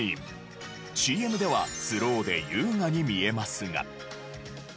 ＣＭではスローで優雅に見えますが。